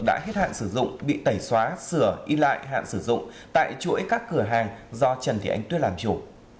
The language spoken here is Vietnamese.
đã hết hạn sử dụng bị tẩy xóa sửa đi lại hạn sử dụng tại chuỗi các cửa hàng do trần thị ánh tuyết làm chủ